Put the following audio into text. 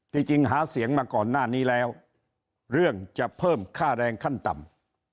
จริงหาเสียงมาก่อนหน้านี้แล้วเรื่องจะเพิ่มค่าแรงขั้นต่ำ